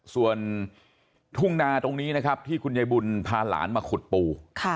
ส่วนทุ่งนาตรงนี้นะครับที่คุณยายบุญพาหลานมาขุดปู